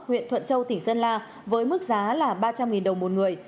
huyện thuận châu tỉnh sơn la với mức giá là ba trăm linh đồng một người